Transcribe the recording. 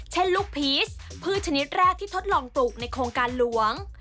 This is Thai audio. เช่นลูกพีชพืชชนิดแรกที่ทดลองปลูกในโครงการหลวง